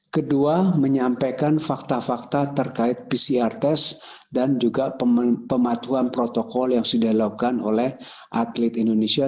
kedua menyampaikan fakta fakta terkait pcr test dan juga pematuan protokol yang sudah dilakukan oleh atlet indonesia